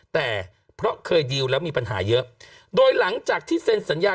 แต่เพราะเคยดีลแล้วมีปัญหาเยอะโดยหลังจากที่เซ็นสัญญา